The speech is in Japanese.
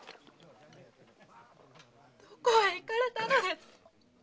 どこへ行かれたのです？